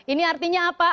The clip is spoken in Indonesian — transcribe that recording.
ini artinya apa